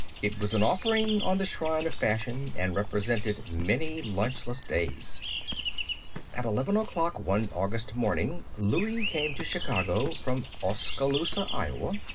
It was an offering on the shrine of Fashion, and represented many lunchless days. At eleven o'clock one August morning, Louie came to Chicago from Oskaloosa, Iowa.